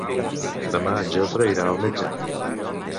Demà en Jofre irà al metge.